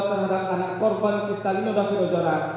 terhadap anak korban kristalino davidozora